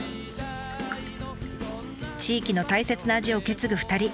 地域の大切な味を受け継ぐ２人。